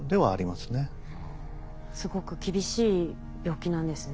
すごく厳しい病気なんですね。